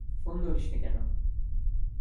Phone ধরিসনি কেন?